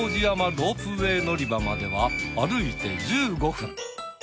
ロープウェイ乗り場までは歩いて１５分。